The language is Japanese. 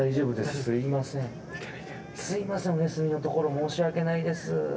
すいませんお休みのところ申し訳ないです。